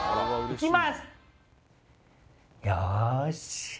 よし。